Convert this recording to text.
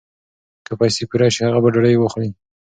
که پیسې پوره شي هغه به ډوډۍ واخلي.